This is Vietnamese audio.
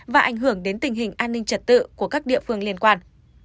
và ảnh hưởng đến tình hình an ninh trật tự của các địa phương liên quan